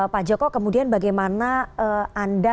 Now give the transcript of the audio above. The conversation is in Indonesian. pak joko kemudian bagaimana anda